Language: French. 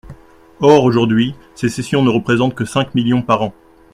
Or aujourd’hui, ces cessions ne représentent que cinq millions par an.